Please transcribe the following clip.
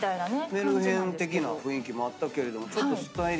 メルヘン的な雰囲気もあったけれどもちょっと。